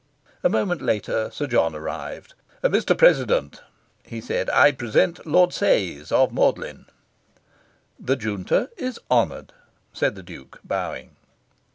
A moment later, Sir John arrived. "Mr. President," he said, "I present Lord Sayes, of Magdalen." "The Junta is honoured," said the Duke, bowing.